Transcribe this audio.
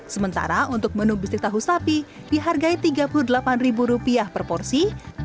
sementara untuk menu bistik tahu sapi dihargai rp tiga puluh delapan per porsi